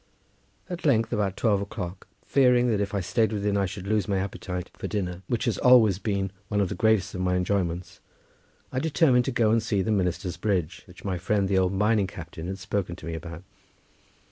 At length, about twelve o'clock, fearing that if I stayed within I should lose my appetite for dinner, which has always been one of the greatest of my enjoyments, I determined to go and see the Minister's Bridge which my friend the old mining captain had spoken to me about.